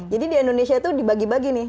jadi di indonesia itu dibagi bagi nih